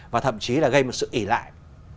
và thậm chí là gây một sự ỉ lại